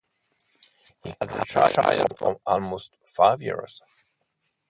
He has retired for almost five years.